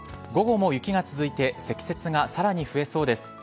午後も雪が続いて積雪がさらに増えそうです。